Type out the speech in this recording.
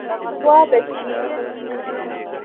د غوا بچۍ